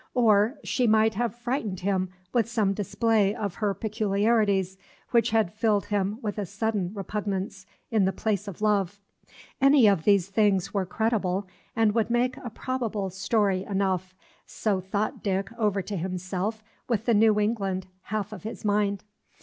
Or she might have frightened him with some display of her peculiarities which had filled him with a sudden repugnance in the place of love. Any of these things were credible, and would make a probable story enough, so thought Dick over to himself with the New England half of his mind.